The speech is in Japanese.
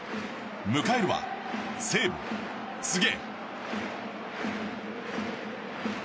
迎えるは西武、柘植。